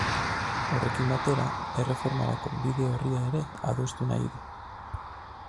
Horrekin batera, erreformarako bide-orria ere adostu nahi du.